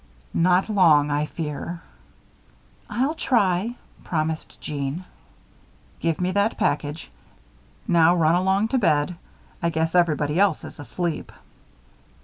"Not long, I fear." "I'll try," promised Jeanne. "Give me that package. Now, run along to bed. I guess everybody else is asleep."